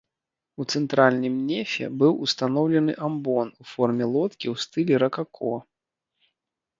У цэнтральным нефе быў устаноўлены амбон у форме лодкі ў стылі ракако.